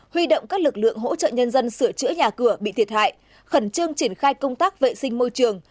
huy động các lực lượng hỗ trợ nhân dân sửa chữa nhà cửa bị thiệt hại khẩn trương triển khai công tác vệ sinh môi trường